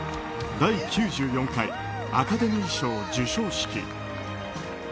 第９４回アカデミー賞授賞式。